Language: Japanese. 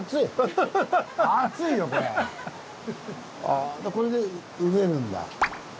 あこれでうめるんだ。